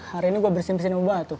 hari ini gue bersin bersin sama batuk